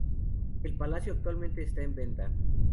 El palacio actualmente está en venta.